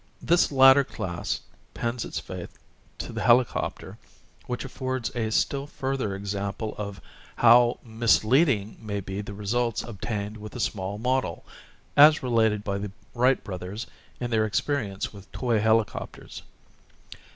This latter class pins its faith to the helicopter â€" which affords a still further example of how mis leading may be the results obtained with a small model, as related by the Wright Brothers in their experience with toy helicopters.